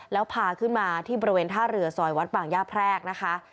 แล้วพาขึ้นมาที่บริเวณท่าเรือซอยวัดป่างย่าแพรกนะคะ